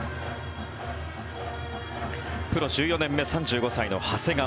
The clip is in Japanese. プロ１４年目、３５歳の長谷川。